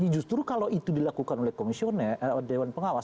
justru kalau itu dilakukan oleh komisioner dewan pengawas